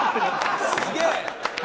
すげえ！